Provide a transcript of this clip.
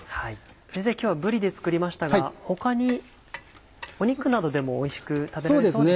先生今日はぶりで作りましたが他に肉などでもおいしく食べられそうですね。